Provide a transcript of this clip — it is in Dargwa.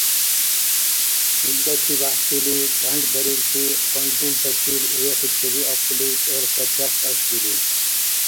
Илдачи бяхӀчили чӀянкӀдарибти ханжултачил урехи чебиахъули кӀел къачагъ тӀашлири.